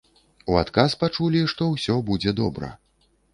У адказ пачулі, што ўсё будзе добра.